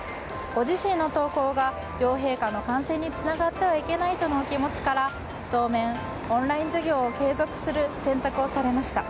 ご自身の登校が両陛下の感染につながってはいけないとのお気持ちから当面オンライン授業を継続する選択をされました。